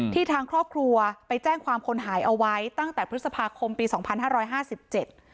ทางครอบครัวไปแจ้งความคนหายเอาไว้ตั้งแต่พฤษภาคมปีสองพันห้าร้อยห้าสิบเจ็ด